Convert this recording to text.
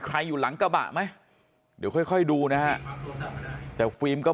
ใครอยู่หลังกาบะไหมเดี๋ยวค่อยดูนะครับเดี๋ยวฟีมก็